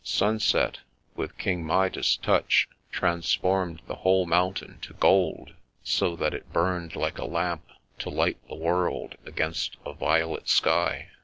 Sunset, with King Midas' touch, transformed the whole mountain to gold, so that it burned like a lamp to light the world, against a violet sky.